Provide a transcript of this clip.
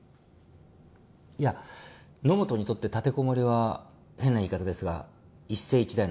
いや野本にとって立てこもりは変な言い方ですが一世一代の勝負だったはずです。